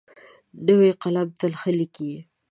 نوی قلم تل ښه لیکي.